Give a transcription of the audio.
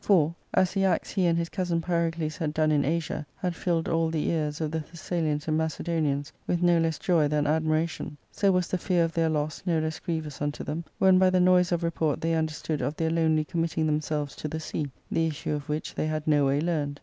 For, as the acts he and his cousin Pyrocles had done in Asia had filled all the ears of the Thessalians and Macedonians with no less joy than admiration, so was the fear of their loss no less grievous unto them, when by the noise of report they understood of their lonely committing themselves to the sea, the issue of which they had no way learned.